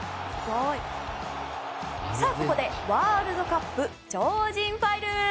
ここでワールドカップ超人ファイル。